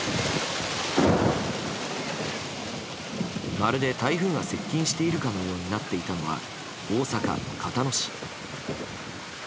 まるで台風が接近しているかのようになっていたのは大阪・交野市。